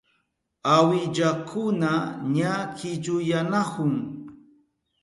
Uwillakuna ña killuyanahun.